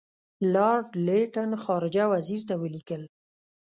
لارډ لیټن خارجه وزیر ته ولیکل.